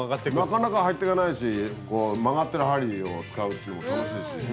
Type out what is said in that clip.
なかなか入ってかないしこう曲がってる針を使うっていうのも楽しいし。